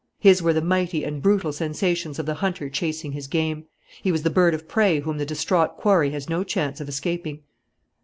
His were the mighty and brutal sensations of the hunter chasing his game. He was the bird of prey whom the distraught quarry has no chance of escaping.